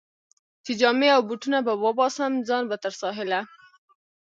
چې جامې او بوټونه به وباسم، ځان به تر ساحله.